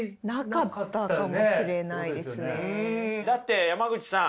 だって山口さん